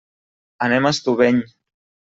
Anem a Estubeny.